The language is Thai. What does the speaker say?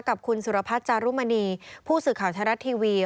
กับคุณสุรพัฒน์จารุมณีผู้สื่อข่าวไทยรัฐทีวี